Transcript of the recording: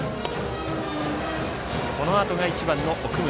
このあとが１番の奥村